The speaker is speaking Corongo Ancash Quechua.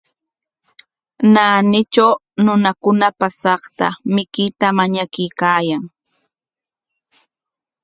Naanitraw runakuna paasaqta mikuyta mañakuykaayan.